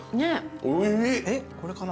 おいしい。